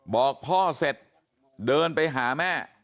บอกพ่อเสร็จเดินไปหาแม่